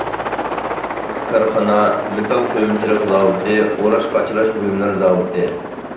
كارخانا مېتال قۇيمىچىلىق زاۋۇتى، ئوراش-قاچىلاش بۇيۇملىرى زاۋۇتى.